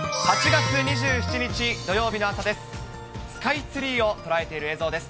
８月２７日土曜日の朝です。